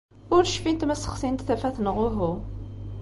Ur cfint ma ssexsint tafat neɣ uhu.